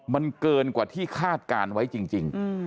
มันเกินกว่าที่คาดการณ์ไว้จริง